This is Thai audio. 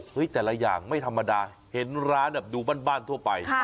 แต่ละอย่างไม่ธรรมดาเห็นร้านแบบดูบ้านทั่วไป